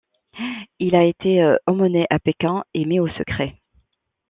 Il a été emmené à Pékin et mis au secret.